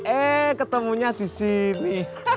eh ketemunya di sini